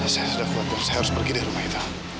saya sudah keluar saya harus pergi dari rumah itu